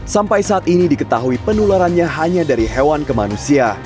sampai saat ini diketahui penularannya hanya dari hewan ke manusia